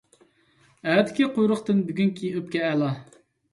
ئەتىكى قۇيرۇقتىن بۈگۈنكى ئۆپكە ئەلا.